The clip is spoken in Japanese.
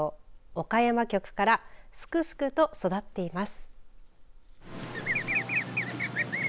岡山局からすくすくと育っています。